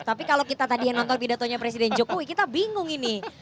tapi kalau kita tadi yang nonton pidatonya presiden jokowi kita bingung ini